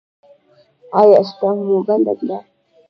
ایا اشتها مو بنده ده؟